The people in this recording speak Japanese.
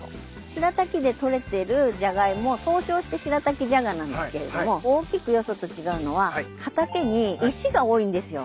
白滝で採れてるジャガイモを総称して白滝じゃがなんですけれども大きくよそと違うのは畑に石が多いんですよ。